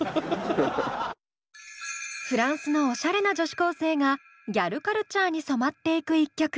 フランスのおしゃれな女子高生がギャルカルチャーに染まっていく一曲。